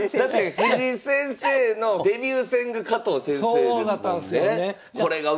藤井先生のデビュー戦が加藤先生ですもんね。